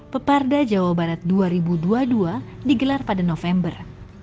peparda jawa barat dua ribu dua puluh dua digelar pada november